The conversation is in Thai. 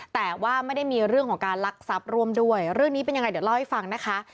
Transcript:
แต่ว่าไม่ได้มีเรื่องของการลักทรัพย์ร่วมด้วยเรื่องนี้เป็นยังไงเดี๋ยวเล่าให้ฟังนะคะ